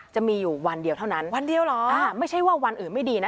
จะมีอยู่วันเดียวเท่านั้นวันเดียวเหรออ่าไม่ใช่ว่าวันอื่นไม่ดีนะ